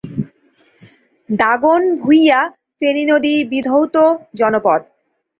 দাগনভূঞা ফেনী নদী বিধৌত জনপদ।